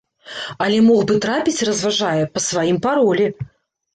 Але мог бы трапіць, разважае, па сваім паролі.